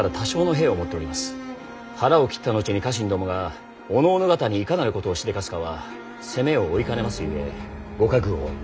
腹を切った後に家臣どもがおのおの方にいかなることをしでかすかは責を負いかねますゆえご覚悟を。